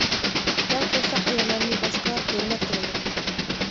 كەڭ قورساق ئاياللارنى باشقىلار ھۆرمەت قىلىدۇ.